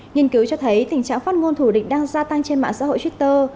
nhân cứu cho thấy tình trạng phát ngôn thủ định đang gia tăng trên mạng xã hội twitter